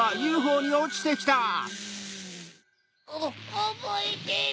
おぼえてろ。